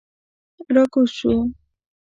را کوز شوو.